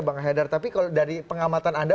bang hedhar tapi dari pengamatan anda